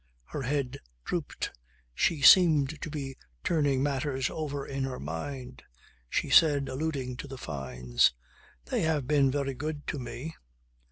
Her head drooped, she seemed to be turning matters over in her mind. She said, alluding to the Fynes: "They have been very good to me."